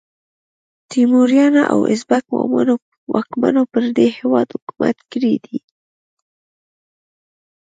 تیموریانو او ازبک واکمنو پر دې هیواد حکومت کړی دی.